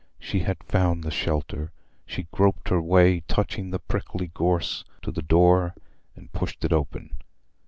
She had found the shelter. She groped her way, touching the prickly gorse, to the door, and pushed it open.